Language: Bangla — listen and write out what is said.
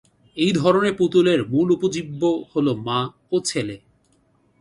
এই ধরনের পুতুলের মূল উপজীব্য হলো মা ও ছেলে।